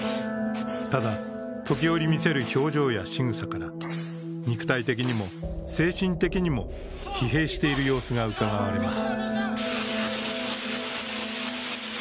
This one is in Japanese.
ただ、時折見せる表情やしぐさから肉体的にも精神的にも疲弊している様子がうかがわれます。